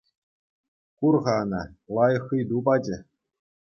Кур-ха ӑна, лайӑх ыйту пачӗ.